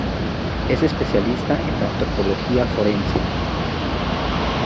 Es especialista en Antropología Forense.